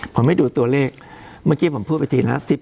ผมให้ดูตัวเลขเมื่อกี้ผมพูดไปทีละ๑๐